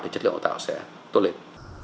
thì chất lượng đào tạo sẽ tốt lên